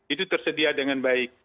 itu tersedia dengan baik